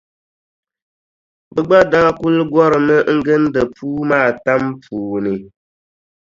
Bɛ gba daa kuli gɔrimi n-gindi puu maa tam puuni.